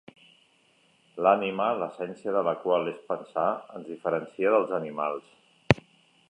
L'ànima, l'essència de la qual és pensar, ens diferencia dels animals.